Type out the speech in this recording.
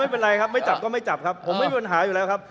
ไม่เป็นไรครับไม่จับก็ไม่จับครับผมไม่มีปัญหาอยู่แล้วครับ